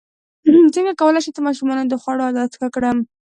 څنګه کولی شم د ماشومانو د خوړو عادت ښه کړم